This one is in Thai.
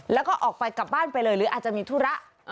แล้วก็ออกไปกลับบ้านไปเลยหรืออาจจะมีธุระ